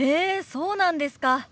そうなんですか。